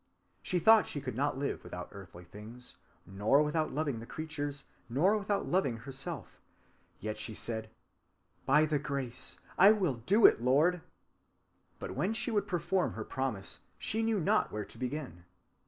She thought she could not live without earthly things, nor without loving the creatures, nor without loving herself. Yet she said, 'By thy Grace I will do it, Lord!' But when she would perform her promise, she knew not where to begin.